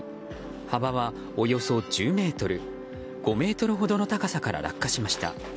幅はおよそ１０ｍ５ｍほどの高さから落下しました。